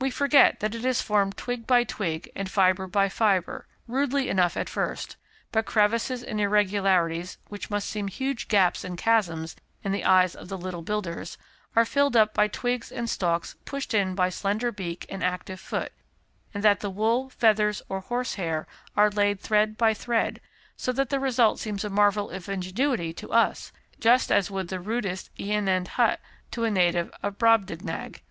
We forget that it is formed twig by twig and fibre by fibre, rudely enough at first, but crevices and irregularities, which must seem huge gaps and chasms in the eyes of the little builders, are filled up by twigs and stalks pushed in by slender beak and active foot, and that the wool, feathers, or horsehair are laid thread by thread, so that the result seems a marvel of ingenuity to us, just as would the rudest Iinand hut to a native of Brobdignag.